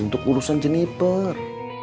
untuk urusan jeniper